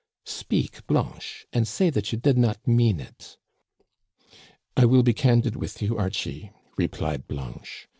Speak, Blanche, and say that you did not mean it." " I will be candid with you, Archie," replied Blanche.